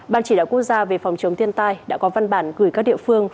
ban chỉ đạo quốc gia về phòng chống thiên tai đã có văn bản gửi các địa phương